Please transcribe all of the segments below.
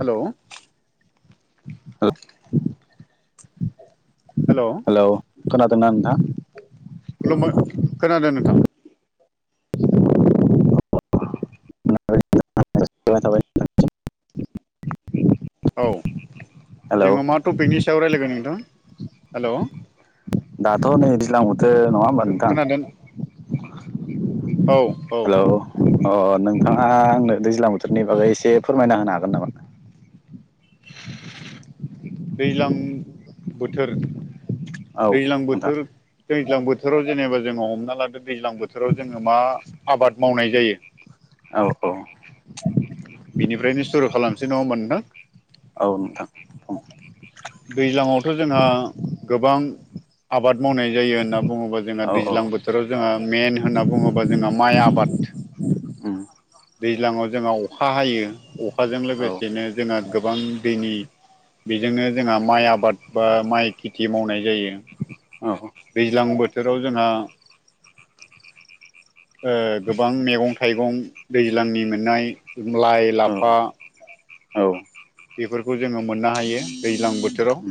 हेल' [unintelligible] hello hello खनादों ना नोंथां खलुमबाय खोनादों नोंथां थाबाय औ हेलौ जोङो मा टपिकनि सायाव रायज्लायगोन नोंथां? हेल' दाथ' नै दैज्लां बोथोर नङा होमबा नोंथां? खोनादों औ औ हेलौ अ नोंथाङा आंनो दैज्लां बोथोरनि बागै एसे फोरमायना होनो हागोन नामा? दैज्लां बोथोर औ दैज्लां नोंथां बोथोर दैज्लां बोथोराव जेनेबा जोङो हमना लादो दैज्लां बोथोराव जोङो मा आबाद मावनाय जायो औ औ बिनिफ्रायनो सुरु खालामनोसै नङा होमबा नोंथां औ नोंथां बुं दैज्लांआवथ' जोंहा गोबां आबाद मावनाय जायो होनना बुङोबा जोंहा औ औ दैज्लां बोथोराव जोंहा मेन होनना बुङोबा जोंङो माइ आबाद [unintelligible] दैज्लांआव जोंहा अखा हायो अखाजों औ लोगोसेनो जोंहा गोबां दैनि बेजोंनो जोंहा माइ आबाद बा माइ खेथि मावनाय जायो। दैज्लां बोथोराव जोंहा [unintelligible] ओ गोबां मैगं थाइगं दैज्लांनि मोननाय लाइ औ लाफा औ औ बेफोरखौ जोङो मोननो हायो दैज्लां बोथोराव [inaudible]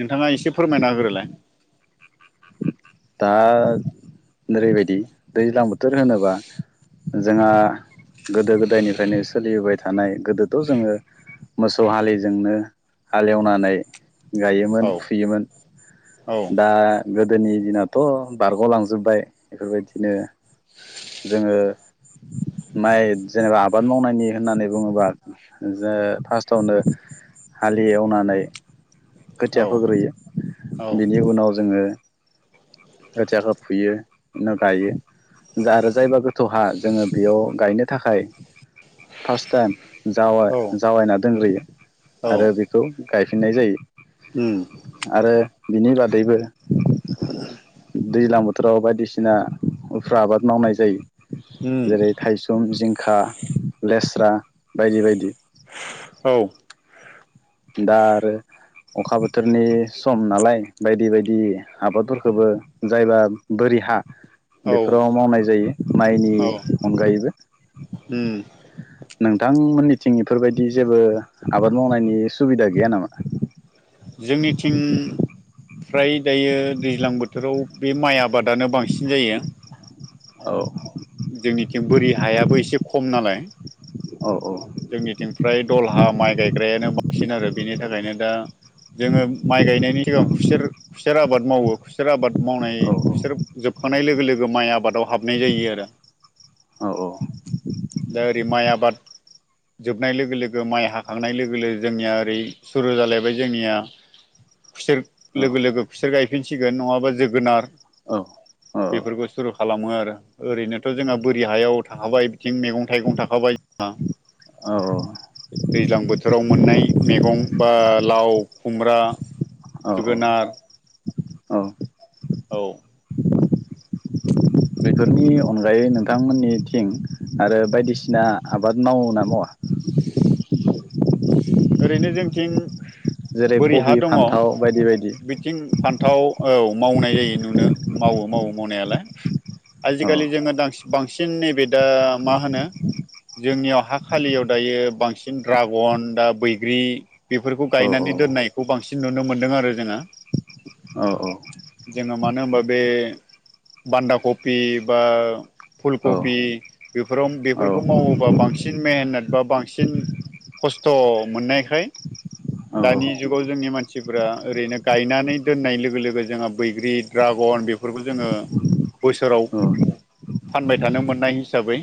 नोंथाङा एसे फोरमायना होग्रोलाय दा ओरैबायदि दैज्लां बोथोर होनोबा जोंहा गोदो गोदायनिफ्रायनो सोलिबोबाय थानाय गोदोथ' जोङो मोसौ हालिजोंनो हाल एवनानै गायोमोन औ फुयोमोन औ दा गोदोनि दिना थ' बारग'लांजोबबाय बेफोरबायदिनो जोङो माइ जेनेबा आबाद मावनायनि होननानै बुङोबा जो- फार्स्टआवनो हालि एवनानै खोथिया औ फोग्रोयो औ बिनि उनाव जोङो खोथियाखौ फुयो उनाव गायो जारो जायबा गोथौहा जोङो बेयाव गायनो थाखाय फार्स्ट टाइम औ जावाइ-जावाइना दोनग्रोयो औ आरो बेखौ गायफिननाय उम जायो। आरो बिनि बादैबो [unintelligible] दैज्लां बोथोराव बायदिसिना उफ्रा आबाद मावनाय जायो उम जेरै थायसुम जिं खा लेस्रा बायदि बायदि औ दा आरो अखा बोथोरनि सम नालाय बायदि बायदि आबादफोरखौबो जायबा बोरि हा औ बेफोराव मावनाय जायो माइनि औ अनगायैबो। उम नोंथां मोननि थिं इफोरबायदि जेबो आबाद मावनायनि सुबिदा गैया नामा? जोंनिथिं फ्राय दायो दैज्लां बोथोराव बे माइ आबादानो बांसिन जायो। औ जोंनिथिं बोरि हायाबो एसे खम नालाय। औ औ जोंनिथिं फ्राय दल हा माइ गायग्रायानो बांसिन आरो बेनि थाखायनो दा जोङो माइ गायनायनि सिगां खुसेर-खुसेर आबाद मावो खुसेर आबाद मावनाय औ खुसेर जोब खांनाय लोगो लोगो माइ आबादाव हाबनाय जायो आरो। औ औ दा ओरै माइ आबाद जोबनाय लोगो लोगो माइ हाखांनाय लोगो लोगो जोंनिया ओरै सुरु जालायबाय जोंनिया खुसेर लोगो लोगो खुसेर गायफिनसिगोन नंङाबा जोगोनार [unintelligible] बेफोरखौ सुरु खालामो आरो ओरैनोथ' जोंहा बोरि हायाव थाखाबाय बिथिं मैगं थाइगं थाखाबाय जोंहा औ औ दैज्लां बोथोराव मोननाय मैगं बा लाव खुमब्रा औ जोगोनार औ औ बेफोरनि अनगायै नोंथांमोननि थिं आरो बायदिसिना आबाद मावो ना मावा [inaudible] ओरैनो जोंथिं जेरै बोरि हा कबि दंङ फान्थाव बायदि बायदि बिथिं फान्थाव औ मावनाय जायो नुनो मावो मावो मावनायालाय औ आजिखालि जोंङो बां बांसिन नैबे दा मा होनो जोंनियाव हा खालियाव दायो बांसिन ड्रागन दा बैग्रि बेफोरखौ औ औ गायनानै दोन्नायखौ बांसिन नुनो मोन्दों आरो जोंङो औ जोंङो मानो होनबा बे बान्दा कफि बा औ फुलकबि बेफोराव औ बेफोरखौ मावोबा बांसिन मेहनत बा बांसिन खस्थ' मोननायखाय औ दानि जुगाव जोंनि मानसिफोरा ओरैनो गायनानै दोननाय लोगो लोगो जोंहा बैग्रि ड्रागन गन बेफोरखौ जोंङो औ फानबाय थानो मोननाय हिसाबै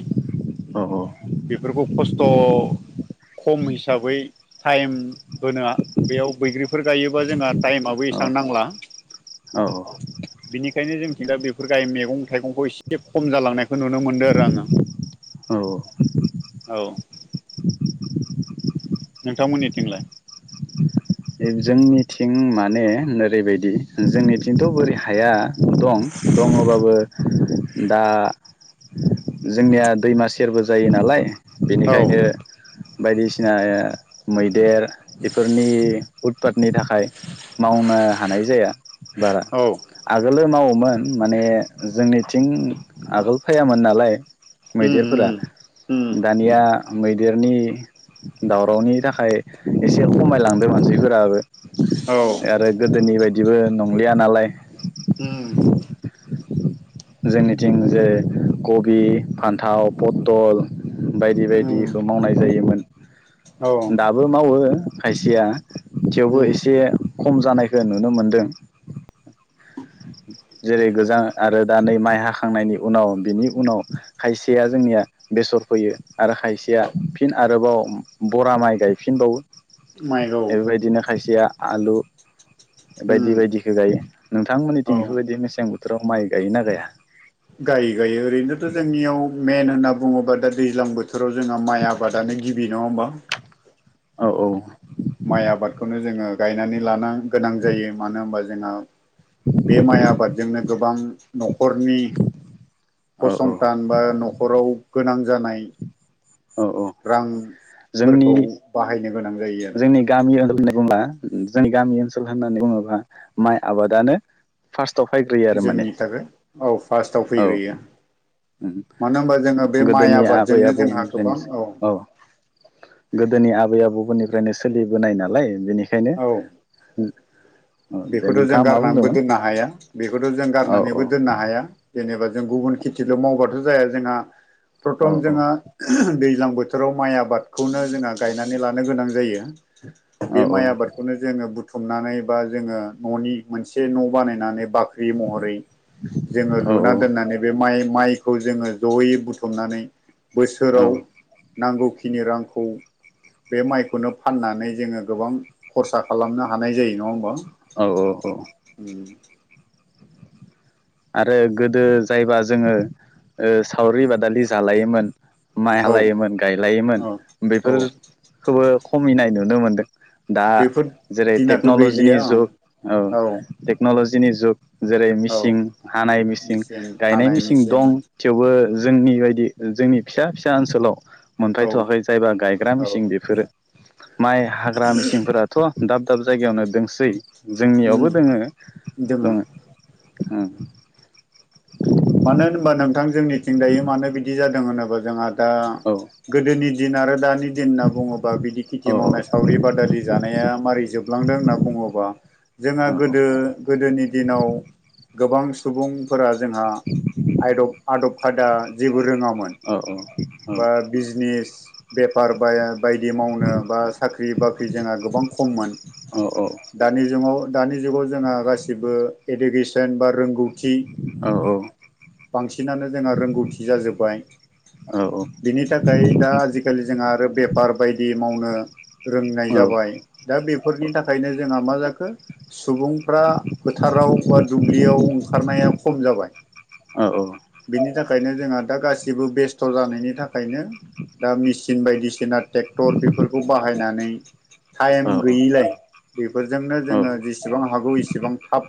बेफोरखौ खस्थ' खम हिसाबै टाइम होना बेयाव बैग्रिफोर गायोबा जोंहा टाइमाबो एसेबां नांला औ औ बिनिखायनो जोंथिं दा बेफोर गाय मैगं थाइगंखौ एसे खम जालांनायखौ नुनो मोनदों आरो आंङो औ औ नोंथांमोननिथिंलाय जोंनिथिं माने ओरैबायदि जोंनिथिंथ' बोरि हाया दं दंङबाबो दा जोंनिया दैमा सेरबो जायो नालाय औ बेनिखायनो बायदिसिना मैदेर बेफोरनि उतपातनि थाखाय मावनो हानाय जाया बारा औ आगोलो मावोमोन माने जोंनिथिं आगोल फैायामोन नालाय उम मैदेरफोरा उम उम दानिया मै देरनि दावरावनि थाखाय एसे खमायलांदो मानसिफोराबो औ आरो गोदोनि बायदिबो नंलिया नालाय उम जोंनिथिं जे कबि फान्थाव पथल बायदि उम बायदिखौ मावनाय जायोमोन औ दाबो मावो खायसेया थेवबो उम एसे खम जानायखौ नुनो मोनदों जेरै गोजां आरो दा नै माइ हाखांनायनि उनाव बिनि उनाव खायसेया जोंनिया बेसर फैयो आरो खायसेया फिन आरोबाव बरा माइ गायफिनबावो माइखौ बेबायदिनो खायसेया आलु बायदि उम बायदिखौ गायो औ नोंथांमोननिथिं बेफोरबायदि मेसें बोथोराव माइ गायोना गाया? गायो गायो ओरैनोथ' जोंनियाव मेन होनना बुं बुङोबा दा दैज्लां बोथोराव जोंहा माइ आबादानो गिबि नंङा होमबा औ औ माइ आबादखौनो जोङो गायनानै लानां गोनां जायो मानो होनबा जोंहा बे माइ आबादजोंनो गोबां न'खरनि औ फसंथान बा न'खराव गोनां जानाय औ औ जोंनि रांफोरखौ बाहाय जोंनि गामि ओनोल होननानै बुङोबा जोंनि गामि ओनसोल होननानै बुङोब्ला माइ आबादानो फार्स्ट याव फैग्रोयो आरो माने जोंनि थाखाय औ फार्स्टआव औ फैग्रोयो ओम मानो होनबा जोङो बे माइ गोदोनि आबै आबादजोंनो आबौ जोंहा मोनिफ्राय गोबां सो औ गोदोनि आबै आबौमोननिफ्रायनो सोलिबोनाय नालाय बेनिखायनो औ दे बेखौथ' जों नोंथाङा मा गारनानैबो बुंदोंमोन दोननो हाया बेखौथ' जों औ गारनानैबो दोननो हाया जेनेबा जों गुबुन खेथिल' मावबाथ' जाया जोंहा औ प्रथम जोंहा दैज्लां बोथोराव माइ आबादखौनो जोंहा गायनानै लानो गोनां जायो। औ बे माइआ जों बुथुमनानै बा जोङो ननि मोन न' बानायनानै बाख्रि महरै जोङो औ लुना दोननानै बे माइ माइखौ जोङो जयै बुथुमनानै औ बोसोराव नांगौ खिनि रांखौ बे माइखौनो फाननानै जोङो गोबां खरसा खालामनो हानाय जायो नङा होमबा। औ औ औ उम आरो गोदो जायबा जोङो ओ सावरि बादालि जालायोमोन माइ औ हालायोमोन गायलायोमोन औ औ बेफोरखौबो खमिनाय नुनो मोनदों। दा बेफोर जेरै दिनाथ' टेक्न'लजिनि गैलिया ओं जुग औ टेक्न'लजिनि जुग जेरै औ मिसिं हानाय मिसिं मेचिन गायनाय हानाय मिसिं मेचिन दं थेवबो जोंनि बायदि जोंनि फिसा फिसा ओनसोलाव औ मोनफायथ'वाखै जायबा गायग्रा औ मेसिन बेफोरो माइ हाग्रा मेसिंफोराथ' दाब दाब जायगायावनो दंसै उम जोंनियावबो दोङो। दोङो दङ ओम मानो होनबा नोंथां जोंनिथिं दायो मानो बिदि जादों होनोबा जोंहा दा औ गोदोनि दिन आरो दानि दिन होनना बुङोबा बिदि खेथि औ मावनाय सावरि बादालि जानाया मारै जोब लांदों होनना बुङोबा जोंहा औ औ गोदो गोदोनि दिनाव गोबां सुबुंफोरा जोंहा आदब आदब खादा जेबो रोङामोन। औ औ औ बा बिजिनेस बेफार बायदि मावनो बा साख्रि बाख्रि जोंहा गोबां खममोन। दानि जुगाव दानि जुगाव जोंहा गासिबो इडुकेसन बा रोंगौ थि बांसिनानो जोंहा रोंगौथि जाजोब्बाय। बिनि थाखाय दा आजिखालि जोंहा आरो बेफार बायदि मावनो रोंनाय जाबाय। दा बेफोरनि थाखायनो जोंहा मा जाखो सुबुंफ्रा फोथाराव बा दुब्लियाव ओंखारनाया खम जाबाय। औ औ बिनि थाखायनो जोंहा दा गासिबो बेस्थ' जानायनि थाखायनो दा मेचिन बायदिसिना ट्रेक्टर बेफोरखौ बाहायनानै टाइम गैयिलाय बे बेफोरफोरजोंनो जोङो जेसेबां हागौ एसे बां थाब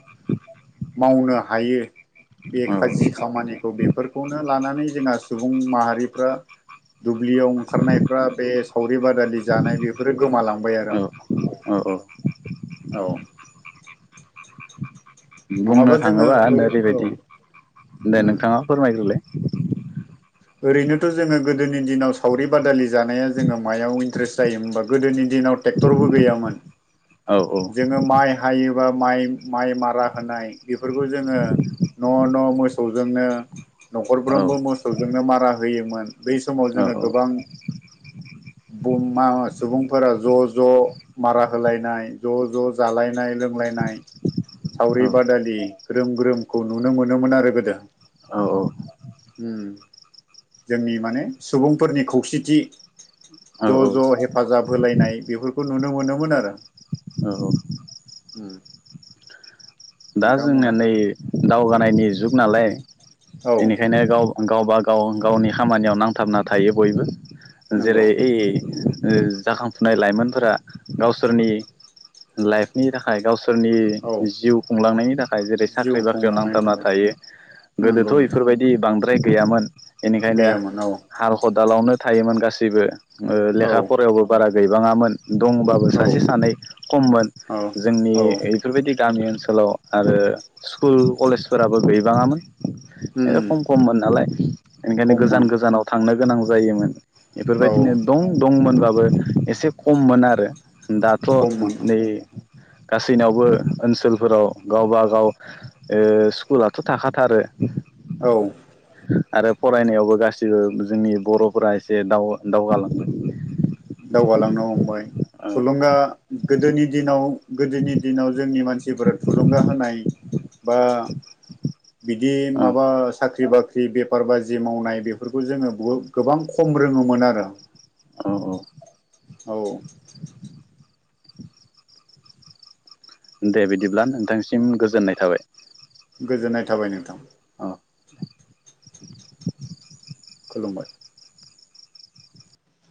मावनो हायो बे औ जि खामानि बेफोरखौनो लानानै जोंहा सुबुं माहारिफ्रा दुब्लियाव ओंखारनायफ्रा बे सावरि बादालि जानाय बेफोरो गोमालांबाय औ आरो। औ औ औ बुंनो नङाबा जोङो थाङोबा ओरै औ नोओरैबायदि दे उम नोंथाङा फोरमायग्रोलाय। ओरैनोथ' जोङो गोदोनि दिनाव सावरि बादालि जानाया जोङो मायाव इन्ट्रेस्ट जायो होमबा गोदोनि दिन दिनाव ट्रेक्टरबो गैयामोन। औ औ। जोङो माइ हायोबा माइ- माइ मारा होनाय बेफोरखौ जोङो न' न' मोसौजोंनो औ न'खरफ्रोमबो मोसौजोंनो मारा होयोमोन बै समाव औ जो ङो गोबां [inaudible] बुं मा सुबुंफोरा ज' ज' मारा होलायनाय ज' ज' जालायनाय लोंलायनाय, औ सावरि बादालि ग्रोम ग्रोमखौ नुनो मोनोमोन आरो गोदोव औ उम जोंनि माने सुबुंफोरनि खौसेथि औ ज' ज' हेफाजाब होलायनाय बेफोरखौ नुनो मोनोमोन आरो। उम। दा नोंथाङा जोंना बुंलाय नै दावगानायनि जुग नालाय औ एनिखायनो गाव गावबा गाव गावनि खामानियाव नांथाबना थायो बयबो नंगौ जेरै जाखांफुनाय लाइमोनफोरा गावसोरनि लाइफनि थाखाय गावसो सोरनि औ जिउ खुंलांनायनि थाखाय जेरै जिउ साख्रि बाख्रियाव खुंलांनायनि नांथाबना थाखाय थायो गोदोथ' नंगौ नोंथां एफोरबायदि बांद्राय गैयामोन बेनिखायनो गैयामोन औ हाल खदालावनो थायोमोन गासैबो। ओ औ लेखा फरायावबो बारा गैबाङामोन, दंबाबो औ सासे सानै खममोन औ जोंनि औ बेफोरबायदि गामि ओनसो लाव आरो स्कुल कलेजफोराबो बिबाङामोन। उम ए खम खममोन नालाय एनिखायनो गोजान खममोन गोजानाव थांनो गोनां जायोमोन। औ बेफोरबायदिनो दं दंमोनबाबो एसे खममोन आरो। दाथ' खममोन नै गासैनावबो ओनसोल फोराव गावबा गाव ओ स्कुलाथ' थाखाथारो। औ। आरो फरायनायावबो गासिबो जोंनि बर'फोरा एसे दाव- दावगालाङो दावगालांनो हमबाय थुलुंगा गोदोनि दिनाव गोदोनि दिनाव जोंनि मानसिफोरा थुलुंगा होनाय बा बिदि औ माबा साख्र ख्रि बाख्रि बेफार बाजि मावनाय बेफोरखौ जोङो गोबां खम रोङोमोन आरो। औ औ। औ। दे बिदिब्ला नोंथांसिम गोजोननाय थाबाय। गोजोननाय थाबाय नोंथां। औ। खुलुमबाय।